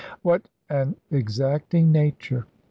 "What an exacting nature!